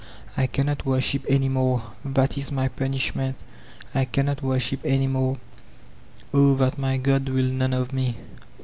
I cannot worship any more, — that is my punishment; I cannot worship any more* Oh, that my god will none of me?